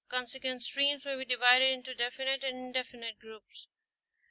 Con sequent streams may be divided into definite and indefinite groups.